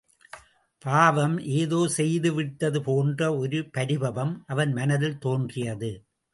பாவம் ஏதோ செய்துவிட்டது போன்று ஒரு பரிபவம் அவன் மனத்தில் தோன்றியது.